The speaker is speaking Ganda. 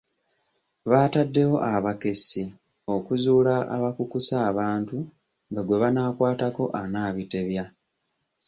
Baataddewo abakessi okuzuula abakukusa abantu nga gwe banaakwataatako anaabitebya.